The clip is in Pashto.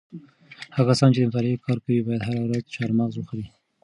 هغه کسان چې د مطالعې کار کوي باید هره ورځ چهارمغز وخوري.